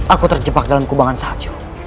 aku terjebak dalam kubangan sahaju